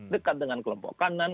dekat dengan kelompok kanan